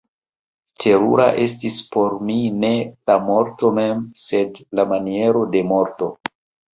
Terura estis por mi ne la morto mem, sed la maniero de morto.